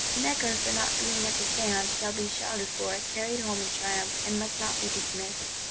Necker, for not being at the Séance, shall be shouted for, carried home in triumph; and must not be dismissed.